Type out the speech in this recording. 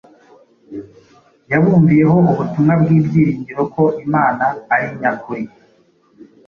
yabumviyeho ubutumwa bw’ibyiringiro ko Imana ari inyakuri.